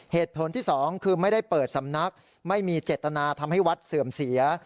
เหตุผลที่สองคือไม่ได้เปิดสำนักไม่มีเจตนาทำให้วัดเสื่อมเสีย